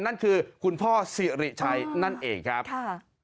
นั่นคือคุณพ่อสิริชัยนั่นเองครับค่ะ